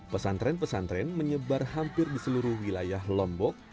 pesantren pesantren menyebar hampir di seluruh wilayah lombok